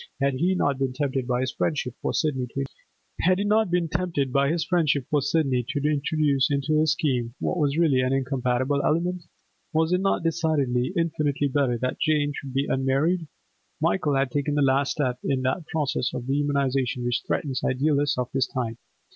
Had he not been tempted by his friendship for Sidney to introduce into his scheme what was really an incompatible element? Was it not decidedly, infinitely better that Jane should be unmarried? Michael had taken the last step in that process of dehumanisation which threatens idealists of his type.